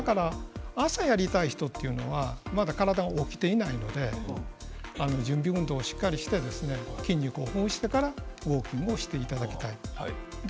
または夕方の方が多いと思いますが朝やりたい人というのはまず体が起きていないので準備運動をしっかりして筋肉をほぐしてからウォーキングをしていただきたいと思います。